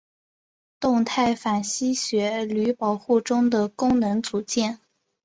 动态反吸血驴保护中的功能组件。